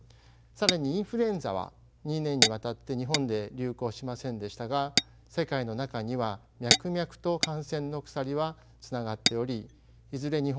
更にインフルエンザは２年にわたって日本で流行しませんでしたが世界の中には脈々と感染の鎖はつながっておりいずれ